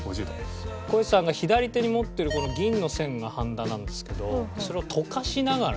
こいちさんが左手に持ってる銀の線がはんだなんですけどそれを溶かしながら。